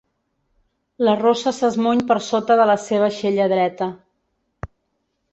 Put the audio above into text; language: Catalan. La rossa s'esmuny per sota de la seva aixella dreta.